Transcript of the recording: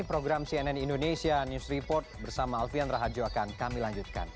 program cnn indonesia news report bersama alfian rahadjo akan kami lanjutkan